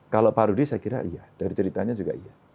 kalau pak rudy saya kira iya dari ceritanya juga iya